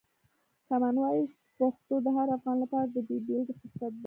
کامن وایس پښتو د هر افغان لپاره د بې بېلګې فرصت دی.